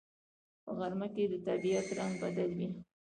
په غرمه کې د طبیعت رنگ بدل وي